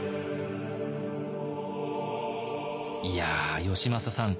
いや義政さん